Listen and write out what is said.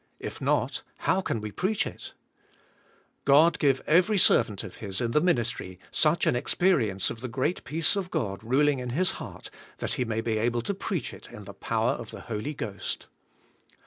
If not, how can we preach it ? God give every servant of His in the ministry such an experience of the great peace of God ruling in his heart that he may be able to preach it in the power of the Holy Ghost.